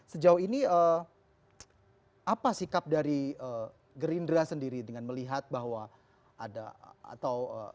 sejauh ini apa sikap dari gerindra sendiri dengan melihat bahwa ada atau